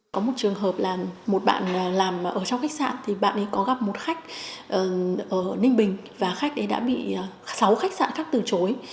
có một trường hợp là một bạn làm ở trong khách sạn thì bạn ấy có gặp một khách ở ninh bình và khách đã bị sáu khách sạn khác từ chối